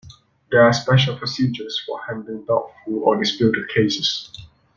There are special procedures for handling doubtful or disputed cases.